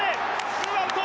ツーアウト。